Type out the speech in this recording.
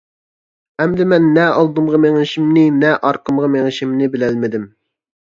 ئەمدى مەن نە ئالدىمغا مېڭىشىمنى، نە ئارقامغا مېڭىشىمنى بىلەلمىدىم.